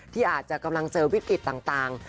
ที่อาจจะกำลังเจอวิกฤตต่าง